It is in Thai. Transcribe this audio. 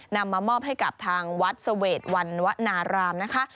นำมามอบให้กับทางวัดเสวดวันวนารามนะคะ